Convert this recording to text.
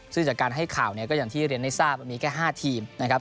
ซึ่งจากการให้ข่าวเนี่ยก็อย่างที่เรียนให้ทราบมันมีแค่๕ทีมนะครับ